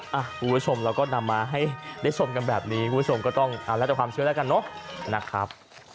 คุณผู้ชมเราก็นำมาให้ได้ชมกันแบบนี้คุณผู้ชมก็ต้องเอาแล้วแต่ความเชื่อแล้วกันเนอะนะครับ